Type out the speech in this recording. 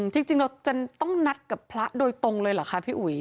จริงเราจะต้องนัดกับพระโดยตรงเลยเหรอคะพี่อุ๋ย